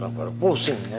lampar pusing ya